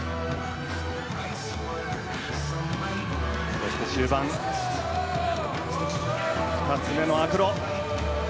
そして、終盤２つ目のアクロ。